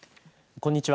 こんにちは。